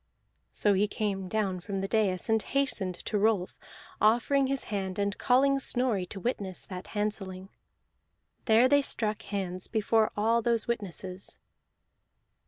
So he came down from the dais, and hastened to Rolf, offering his hand and calling Snorri to witness that handselling. There they struck hands before all those witnesses.